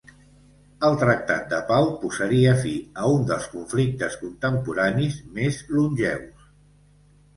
El tractat de pau posaria fi a un dels conflictes contemporanis més longeus.